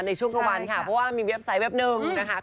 ในช่วงกลางวันค่ะเพราะว่ามีเว็บไซต์เว็บนึงนะคะ